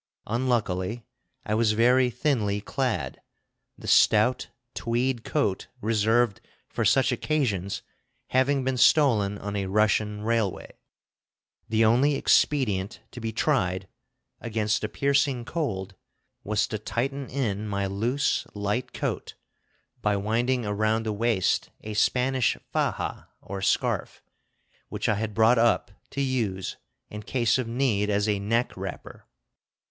Unluckily I was very thinly clad, the stout tweed coat reserved for such occasions having been stolen on a Russian railway. The only expedient to be tried against the piercing cold was to tighten in my loose light coat by winding around the waist a Spanish faja, or scarf, which I had brought up to use in case of need as a neck wrapper.